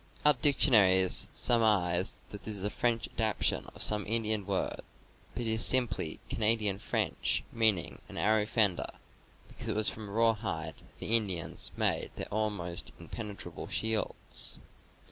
(Our diction aries surmise that this is a French adaptation of some Indian word, but it is simply Canadian French, mean ing an arrow fender, because it was from rawhide that the Indians made their almost impenetrable shields.